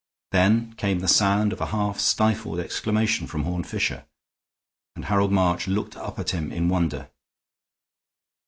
Then came the sound of a half stifled exclamation from Horne Fisher, and Harold March looked up at him in wonder.